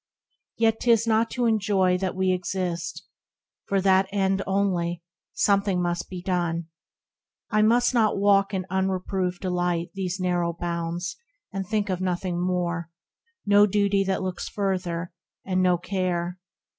Yet 'tis not to enjoy that we exist, For that end only ; something must be done : I must not walk in unreproved delight These narrow bounds, and think of nothing more, No duty that looks further, and no care.